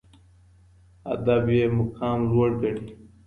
ادب یې مقام لوړ ګڼي